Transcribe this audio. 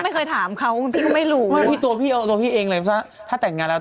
พี่วันไม่ค่อยว่าอะไรเพียวว่าน่ารัก